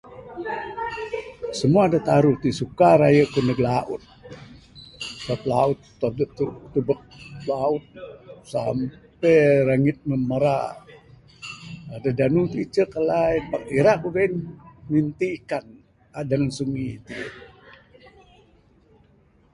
Simua da taruh ti suka raye ku neg laut. Sabab laut adeh...adeh ku tubek laut sampey rangit mbuh marak. aaa Da danu ti icek alai ne pak ira ku gain minti ikan den sungi ti.